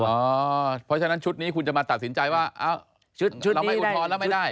เพราะฉะนั้นชุดนี้คุณจะมาตัดสินใจว่าเราไม่อุทธรณ์แล้วไม่ได้